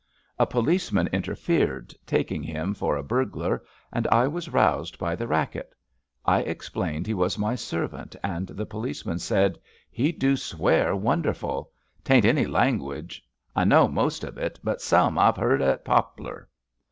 A policeman interfered, taking him for a burglar, and I was roused by the racket. I explained he was my servant and the policeman said: He do swear wonderful. 'Tain't any lan guage. I know most of it, but some IVe heard at Poplar.'